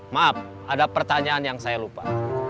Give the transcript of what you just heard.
maaf ada pertanyaan yang saya lupa